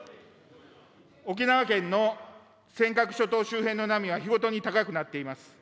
沖縄県の尖閣諸島周辺の波は日ごとに高くなっています。